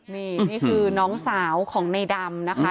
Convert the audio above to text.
นี่นี่คือน้องสาวของในดำนะคะ